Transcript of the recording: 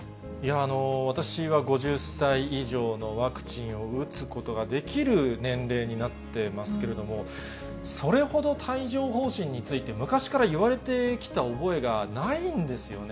私は５０歳以上のワクチンを打つことができる年齢になってますけれども、それほど帯状ほう疹について、昔から言われてきた覚えがないんですよね。